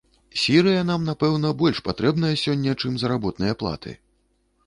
Сірыя нам, напэўна, больш патрэбна сёння, чым заработныя платы.